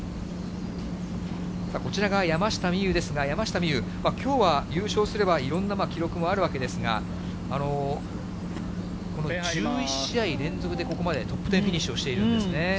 こちらが山下美夢有ですか、山下美夢有、きょうは優勝すれば、いろんな記録もあるわけですが、この１１試合連続で、ここまでトップ１０フィニッシュをしているんですね。